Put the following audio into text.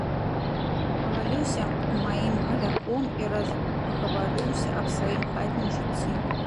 Пагаліўся маім галяком і разгаварыўся аб сваім хатнім жыцці.